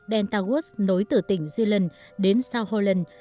delta woods nối từ tỉnh zealand đến south holland